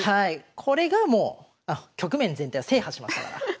これがもう局面全体を制覇しましたから。